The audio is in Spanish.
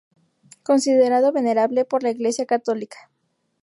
Es considerado venerable por la Iglesia católica.